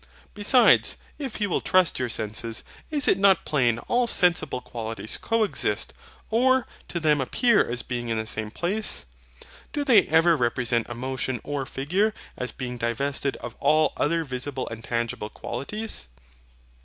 Besides, if you will trust your senses, is it not plain all sensible qualities coexist, or to them appear as being in the same place? Do they ever represent a motion, or figure, as being divested of all other visible and tangible qualities?